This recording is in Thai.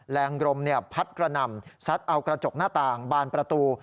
แรงลมพัดกระหน่ำซัดเอากระจกหน้าต่างบานประตู